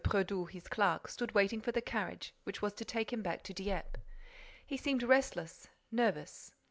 Brédoux, his clerk, stood waiting for the carriage which was to take him back to Dieppe. He seemed restless, nervous.